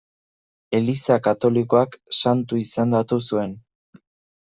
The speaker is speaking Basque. Eliza katolikoak Santu izendatu zuen.